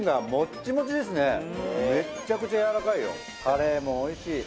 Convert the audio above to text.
カレーもおいしい